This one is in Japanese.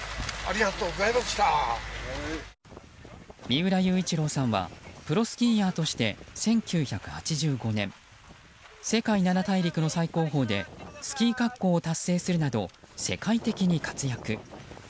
三浦雄一郎さんはプロスキーヤーとして１９８５年世界七大陸の最高峰でスキー滑降を達成するなど世界的に活躍。